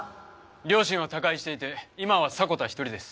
両親は他界していて今は迫田１人です。